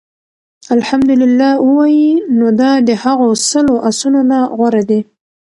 اَلْحَمْدُ لِلَّه ووايي، نو دا د هغو سلو آسونو نه غوره دي